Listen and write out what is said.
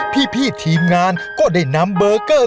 พี่ทีมงานก็ได้นำเบอร์เกอร์